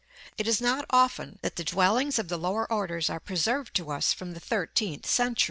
It is not often that the dwellings of the lower orders are preserved to us from the thirteenth century.